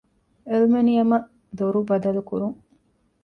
އެލްމެނިއަމަށް ދޮރު ބަދަލުކުރުން